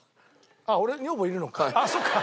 あっ俺女房いるのか。